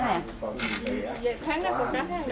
tháng nào cũng đặt hàng đặt mua